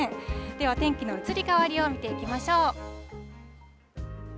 では天気の移り変わりを見ていきましょう。